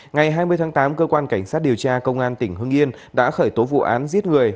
ngày hai mươi tháng tám cơ quan cảnh sát điều tra công an tỉnh hưng yên đã khởi tố vụ án giết người